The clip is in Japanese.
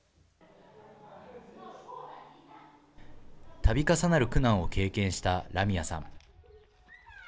たび重なる苦難を経験したラミアさん。